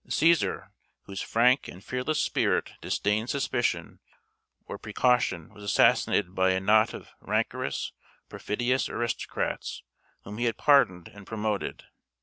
Cæsar, whose frank and fearless spirit disdained suspicion or precaution, was assassinated by a knot of rancorous, perfidious aristocrats, whom he had pardoned and promoted.